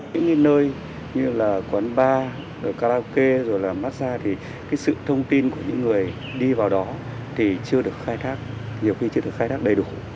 những nơi như quán bar karaoke massage thì sự thông tin của những người đi vào đó thì chưa được khai thác đầy đủ